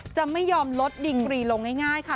จะไม่ยอมลดดิงกรีลงง่ายค่ะ